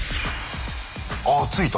あっ着いた。